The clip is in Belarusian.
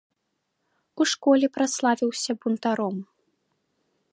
У школе праславіўся бунтаром.